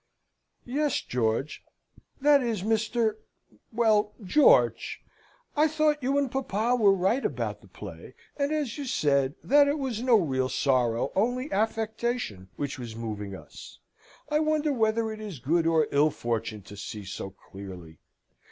"Yes, George that is, Mr. well, George! I thought you and papa were right about the play; and, as you said, that it was no real sorrow, only affectation, which was moving us. I wonder whether it is good or ill fortune to see so clearly?